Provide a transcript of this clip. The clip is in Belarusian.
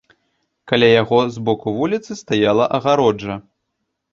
Каля яго з боку вуліцы стаяла агароджа.